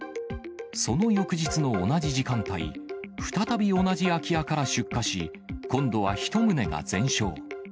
その翌日の同じ時間帯、再び同じ空き家から出火し、今度は１棟が全焼。